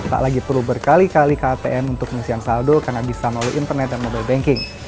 tak perlu lagi berkali kali kpm untuk pengisian saldo karena bisa melalui internet dan mobile banking